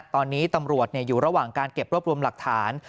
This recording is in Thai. ตอนนี้ตำรวจอยู่ระหว่างการเก็บรวบรวมหลักฐาน